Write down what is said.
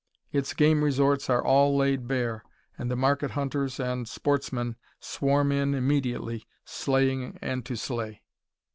Its game resorts are all laid bare, and the market hunters and sportsmen swarm in immediately, slaying and to slay.